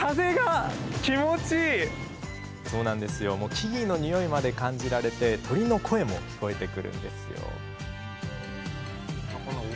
木々のにおいまで感じられて鳥の声も聞こえてくるんですよ。